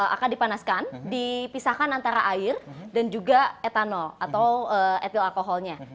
akan dipanaskan dipisahkan antara air dan juga etanol atau etil alkoholnya